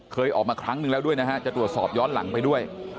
เคยออกมาครั้งนึงแล้วด้วยนะฮะจะตรวจสอบย้อนหลังไปด้วย